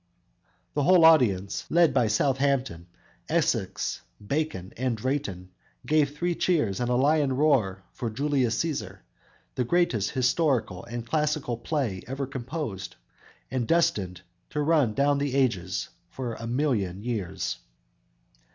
"_ The whole audience, led by Southampton, Essex, Bacon and Drayton gave three cheers and a lion roar for "Julius Cæsar," the greatest historical and classical play ever composed, and destined to run down the ages for a million years!